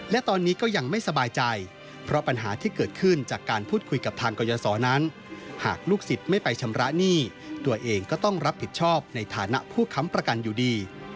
และตอนนี้ก็ยังไม่สบายใจเพราะปัญหาที่เกิดขึ้นจากการพูดคุยกับทางกรยศรนั้นหากลูกศิษย์ไม่ไปชำระหนี้ตัวเองก็ต้องรับผิดชอบในฐานะผู้ค้ำประกันอยู่ดี